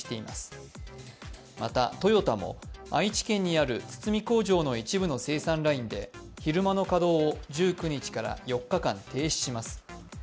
また、トヨタも、愛知県にある堤工場の一部の生産ラインで昼間の稼働を１９日から４日間、停止します。